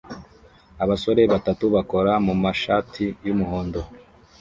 Abasore batatu bakora mumashati yumuhondo